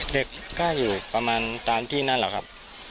เด็กก็อยู่ประมาณตามที่นั่นแหละครับ